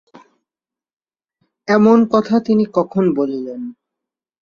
এমন কথা তিনি কখন বলিলেন।